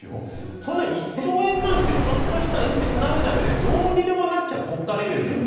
そんな１兆円なんてちょっとした鉛筆なめなめでどうにでもなっちゃう国家レベルではね。